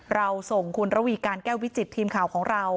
เราส่งคุณระวีการแก้ววิจิตทีมข่าวของเรา